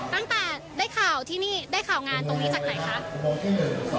ตั้งแต่ได้ข่าวงานตรงนี้จากไหนคะ